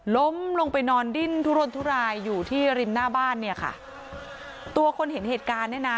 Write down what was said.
ล้มลงไปนอนดิ้นทุรนทุรายอยู่ที่ริมหน้าบ้านเนี่ยค่ะตัวคนเห็นเหตุการณ์เนี่ยนะ